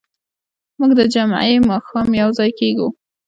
موږ د جمعې ماښام یوځای کېږو.